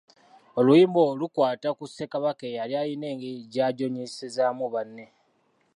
Oluyimba olwo lukwata ku Ssekabaka eyali alina engeri gy’ajoonyesezzaamu banne